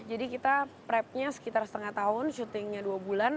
jadi kita prep nya sekitar setengah tahun syutingnya dua bulan